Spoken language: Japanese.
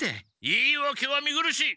言いわけは見苦しい！